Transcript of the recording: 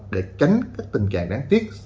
để tránh tình trạng đáng tiếc